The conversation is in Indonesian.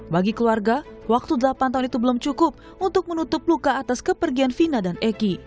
bagi keluarga waktu delapan tahun itu belum cukup untuk menutup luka atas kepergian vina dan eki